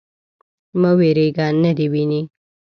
_مه وېرېږه. نه دې ويني.